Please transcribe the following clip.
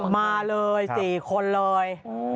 มาเลย๔คนเลย